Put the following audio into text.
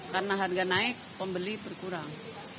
karena harga naik pembeli berkurang